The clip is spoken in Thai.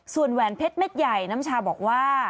ส่วนแหวนเพชรเม็ดใหญ่น้ำชาบอกว่า